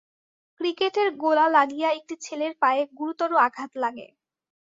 ক্রিকেটের গোলা লাগিয়া একটি ছেলের পায়ে গুরুতর আঘাত লাগে।